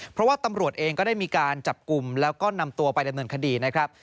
เพราะว่าตำรวจเองก็ได้มีการจับกลุ่มแล้วก็นำตัวไปดำเนินคดีนะครับ